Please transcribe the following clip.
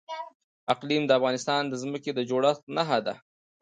اقلیم د افغانستان د ځمکې د جوړښت نښه ده.